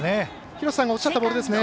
廣瀬さんがおっしゃったボールですね。